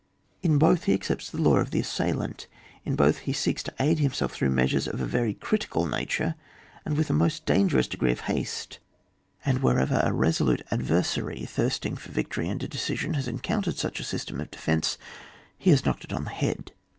In both he accepts the law of the assailant; in both he seeks to aid himself through measures of a very critical nature, and with a most dangerous degree of haste; and wher 186 OK WAS. [bookyi. ever a resolute adversary, thirsting for victory and a decision, has encountered such a syi^m of defence, he has knocked it on the head.